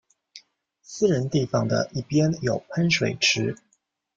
私人地方的一边有喷水池。